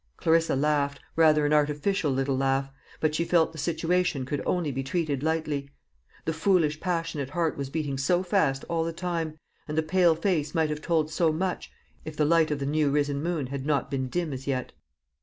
Clarissa laughed rather an artificial little laugh but she felt the situation could only be treated lightly. The foolish passionate heart was beating so fast all the time, and the pale face might have told so much, if the light of the new risen moon had not been dim as yet.